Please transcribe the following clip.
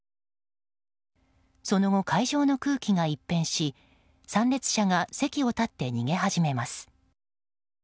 その後、会場の空気が一変し参列者が席を立って逃げ始めます。